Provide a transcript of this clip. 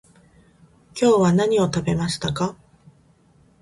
今日は何を食べましたか？